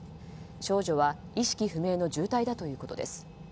少女は意識不明の重体だということです。